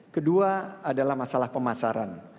kedua adalah masalah pemasaran